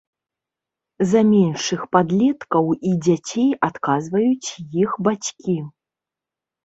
За меншых падлеткаў і дзяцей адказваюць іх бацькі.